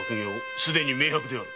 すでに明白である。